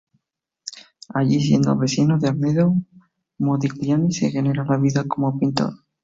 Allí, siendo vecino de Amedeo Modigliani, se ganará la vida como pintor.